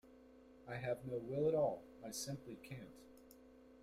I have no will at all; I simply can't.